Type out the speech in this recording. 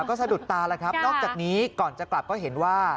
ก็สะดุดตาแล้วครับนอกจากนี้ก่อนจะกลับก็เห็นว่า